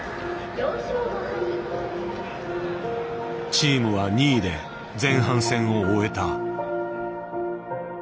チームは２位で前半戦を終えた。